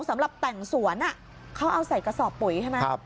สำหรับแต่งสวนเขาเอาใส่กระสอบปุ๋ยใช่ไหม